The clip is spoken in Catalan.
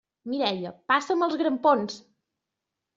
Mireia, passa'm els grampons!